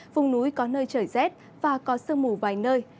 vùng núi có nơi trời rét và có sương mù vài nơi